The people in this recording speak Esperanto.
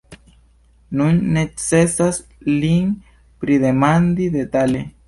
Nun necesas lin pridemandi detale.